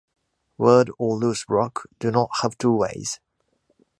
Word or loose rock, do not have two ways.